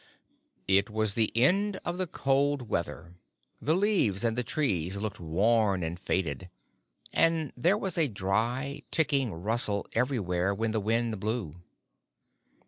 It was the end of the cold weather, the leaves and the trees looked worn and faded, and there was a dry, ticking rustle everywhere when the wind blew.